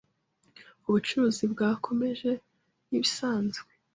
Ubucuruzi bwakomeje nk’ibisanzwe